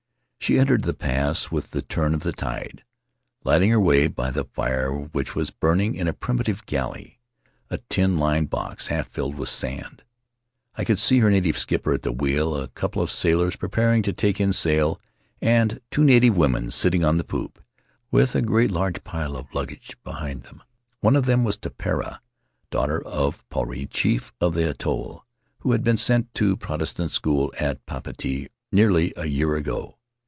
She entered the pass with the turn of the tide, lighting her way by the fire which was burning in a primitive galley, a tin lined box half filled with sand. I could see her native skipper at the wheel, a couple of sailors preparing to take in sail, and two native women sitting on the poop, with a great pile of luggage behind them. One of these was Tepera, daughter of Puarei, chief of the atoll, who had been sent to the Protestant school at Papeete nearly a year ago.